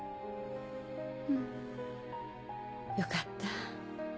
うん。よかった。